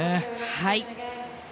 はい。